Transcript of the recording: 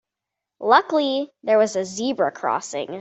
Luckily there was a zebra crossing.